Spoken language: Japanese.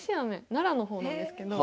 奈良の方なんですけど。